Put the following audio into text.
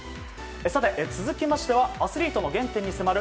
続きましてはアスリートの原点に迫る